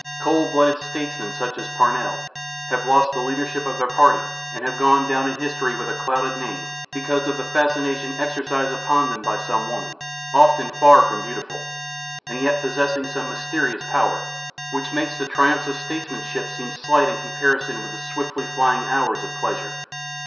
Cold blooded statesmen, such as Parnell, have lost the leadership of their party and have gone down in history with a clouded name because of the fascination exercised upon them by some woman, often far from beautiful, and yet possessing the mysterious power which makes the triumphs of statesmanship seem slight in comparison with the swiftly flying hours of pleasure.